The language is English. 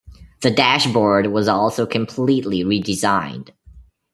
The dashboard was also completely redesigned.